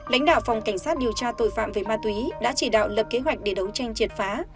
lãnh đạo phòng cảnh sát điều tra tội phạm về ma túy đã chỉ đạo lập kế hoạch để đấu tranh triệt phá